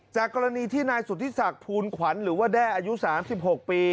จากกรณีที่นายสุธิศักดิ์ภูลขวัญหรือว่าแด้อายุ๓๖ปี